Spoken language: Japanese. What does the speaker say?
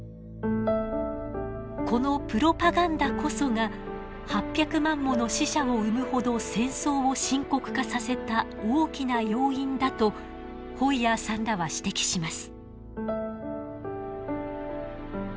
このプロパガンダこそが８００万もの死者を生むほど戦争を深刻化させた大きな要因だとホイヤーさんらは指摘します。